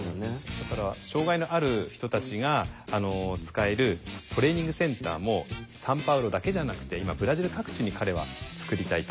だから障害のある人たちが使えるトレーニングセンターもサンパウロだけじゃなくて今ブラジル各地に彼はつくりたいと。